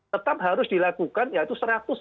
tetap harus dilakukan yaitu satu ratus sembilan